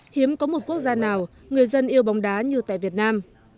hiếm có một quốc gia nào người dân yêu bóng đá như tại việt nam